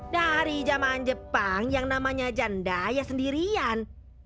dari zaman jepang yang namanya janda ya sendirian